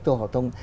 trung học phổ tông